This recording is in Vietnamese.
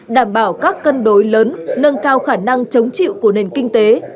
đảm bảo các cân đối lớn nâng cao khả năng chống chịu của nền kinh tế